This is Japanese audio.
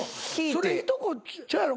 それいとこちゃうやろ？